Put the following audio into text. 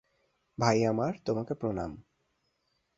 ভাই আমার, তোমাকে প্রণাম!